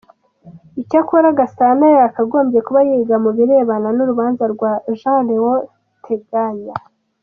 Icyokora, Gasana yakagombye kuba yiga ku birebana n’urubanza rwa Jean Leonard Teganya.